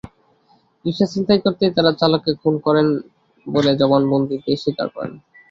রিকশা ছিনতাই করতেই তাঁরা চালককে খুন করেন বলে জবানবন্দিতে স্বীকার করেন।